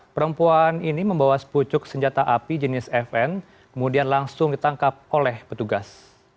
perempuan ini membawa sepucuk senjata api jenis fn kemudian langsung ditangkap oleh petugas